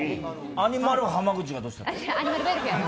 アニマル浜口がどうしたって？